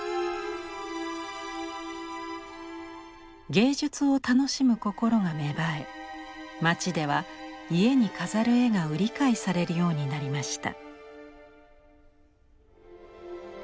芸術を楽しむ心が芽生え街では家に飾る絵が売り買いされるようになりました。